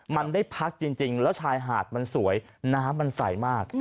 มันได้พักจริงแล้วชายหาดมันสวยน้ำมันใสมาก